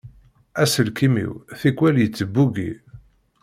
Aselkim-iw tikwal ittbugi.